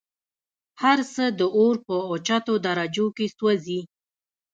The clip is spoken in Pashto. هرڅه د اور په اوچتو درجو كي سوزي